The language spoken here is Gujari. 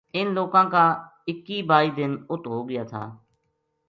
اِن لوکاں کا اِکّی بائی دن اُت ہوگیا تھا